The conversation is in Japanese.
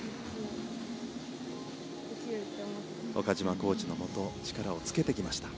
岡島コーチのもと力をつけてきました。